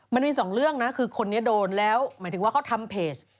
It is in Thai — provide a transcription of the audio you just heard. มันมีสองเรื่องนะคือคนนี้โดนแล้วหมายถึงว่าเขาทำเพจ